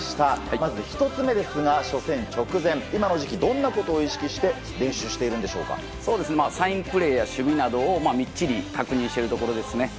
まず１つ目ですが初戦直前今の時期どんなことを意識してサインプレーや守備などを、みっちり確認しているところですね。